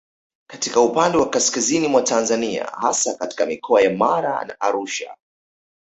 Katika upande wa kaskazini mwa Tanzania hasa katika Mikoa ya Mara na Arusha